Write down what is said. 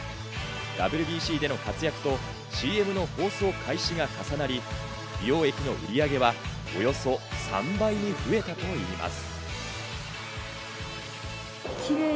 ＷＢＣでの活躍とＣＭの放送開始が重なり、美容液の売り上げはおよそ３倍に増えたといいます。